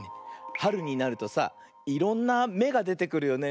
はるになるとさいろんなめがでてくるよね。